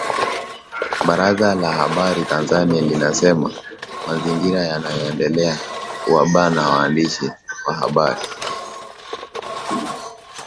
Baraza la Habari Tanzania linasema mazingira yanayoendelea kuwabana waandishi wa habari